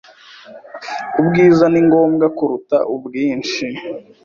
Ubwiza ni ngombwa kuruta ubwinshi.